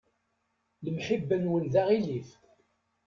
Lemḥibba-nwen d aɣilif.